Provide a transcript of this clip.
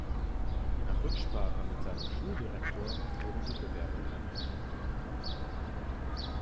Nach Rücksprache mit seinem Schuldirektor wurde die Bewerbung angenommen.